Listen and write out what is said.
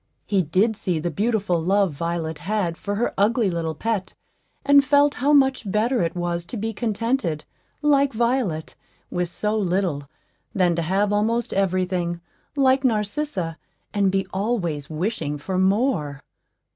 He did see the beautiful love Violet had for her ugly little pet, and felt how much better it was to be contented, like Violet, with so little, than to have almost every thing, like Narcissa, and be always wishing for more.